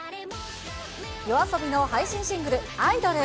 ＹＯＡＳＯＢＩの配信シングル、アイドル。